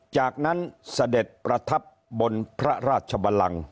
จากนั้นเสด็จประทับบนพระราชบันลัง